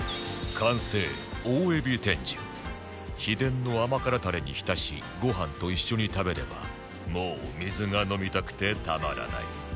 完成秘伝の甘辛タレに浸しご飯と一緒に食べればもう水が飲みたくてたまらない